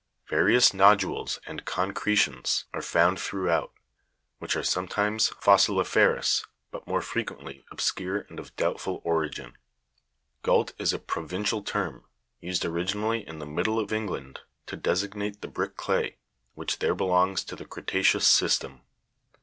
Various nodules and concretions are found throughout, which are sometimes fossili' ferous, but more frequently obscure and of doubtful origin. Gault is a provincial term, used originally in the middle of England to designate the brick clay, which there belongs to the creta'ceous system.